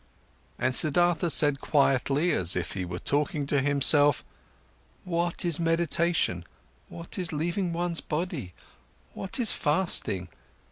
And Siddhartha said quietly, as if he was talking to himself: "What is meditation? What is leaving one's body? What is fasting?